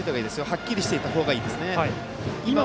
はっきりしていた方がいいです。